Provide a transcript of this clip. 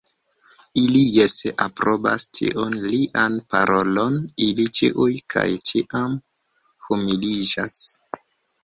Ili jese aprobas ĉiun lian parolon, ili ĉiuj kaj ĉiam humiliĝas!